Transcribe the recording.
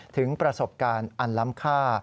ถึงประสบการณ์อันล้ำค่า